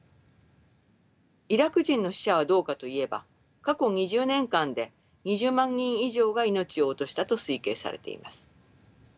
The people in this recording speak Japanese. イラク人の死者はどうかといえば過去２０年間で２０万人以上が命を落としたと推計されています。